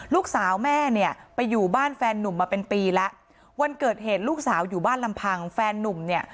ลูกสาวแม่เนี่ยไปอยู่บ้านแฟนนุ่มมาเป็นปีแล้ววันเกิดเหตุลูกสาวอยู่บ้านลำพังแฟนนุ่มเนี่ย